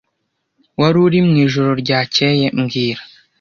Wari uri mwijoro ryakeye mbwira